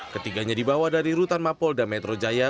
ketiganya dibawa dari rutan mapolda metro jaya